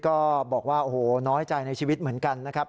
ก็บอกว่าโอ้โหน้อยใจในชีวิตเหมือนกันนะครับ